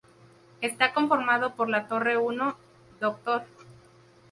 Está conformado por la Torre I “Dr.